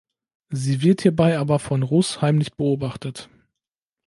Sie wird hierbei aber von Russ heimlich beobachtet.